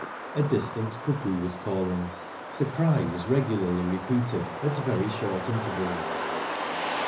A distant cuckoo was calling. The cry was regularly repeated, at very short intervals.